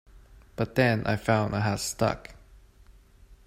But then I found I had stuck.